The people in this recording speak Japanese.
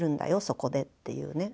そこで」っていうね